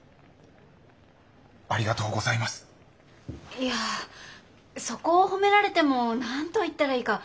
いやそこを褒められても何と言ったらいいか。